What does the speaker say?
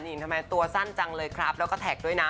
ทำไมตัวสั้นจังเลยครับแล้วก็แท็กด้วยนะ